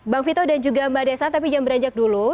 bang vito dan juga mbak desa tapi jangan beranjak dulu